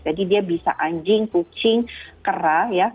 jadi dia bisa anjing kucing kera ya